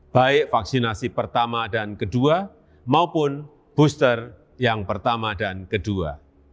baik vaksinasi pertama dan kedua maupun booster yang pertama dan kedua